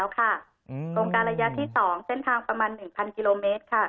โครงการระยะที่๒เส้นทางประมาณ๑๐๐กิโลเมตร